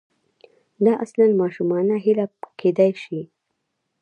دا اصلاً ماشومانه هیله کېدای شي.